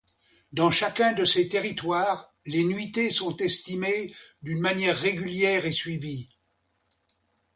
Dans chacun de ces territoires, les nuitées sont estimées d’une manière régulière et suivie.